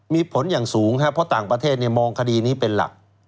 มีผลอย่างสูงครับเพราะต่างประเทศมองคดีนี้เป็นหลัก